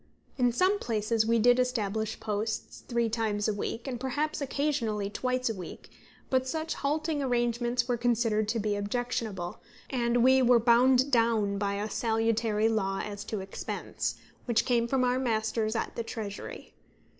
In some places we did establish posts three times a week, and perhaps occasionally twice a week; but such halting arrangements were considered to be objectionable, and we were bound down by a salutary law as to expense, which came from our masters at the Treasury.